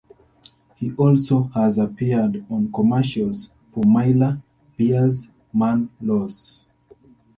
He also has appeared on commercials for Miller Beer's Man Laws.